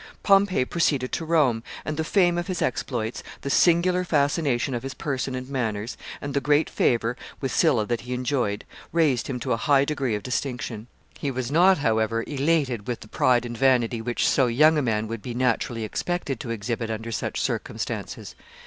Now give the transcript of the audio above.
] Pompey proceeded to Rome, and the fame of his exploits, the singular fascination of his person and manners, and the great favor with Sylla that he enjoyed, raised him to a high degree of distinction. He was not, however, elated with the pride and vanity which so young a man would be naturally expected to exhibit under such circumstances.